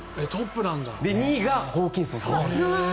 ２位がホーキンソン選手。